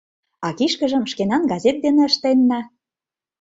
А кишкыжым шкенан газет дене ыштенна!